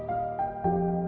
oh siapa ini